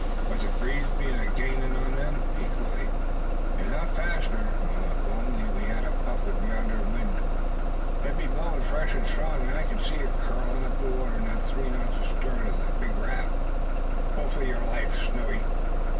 But the breeze be a gainin' on them, equally, if not faster. O if we only had a puff o' yonder wind! It be blowin' fresh and strong. I can see it curlin' up the water not three knots astarn o' the big raft. Pull for your life, Snowy.